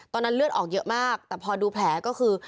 เลือดออกเยอะมากแต่พอดูแผลก็คือ